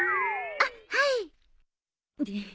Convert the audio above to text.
あっはい。